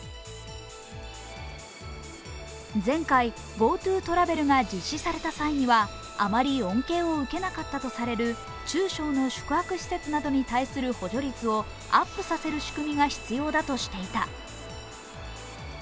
前回、ＧｏＴｏトラベルが実施された際にはあまり恩恵を受けなかったとされる中小の宿泊施設などに対する補助率をアップさせる仕組みが必要だとしていた。